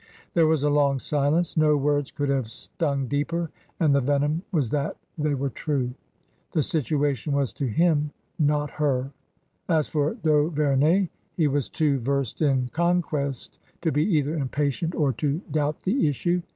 There was a long silence. No words could have stung deeper — and the venom was that they were true. The situation was to him — not her. As for d'Auvemey, he was too versed in conquest to be either impatient or to doubt the issue.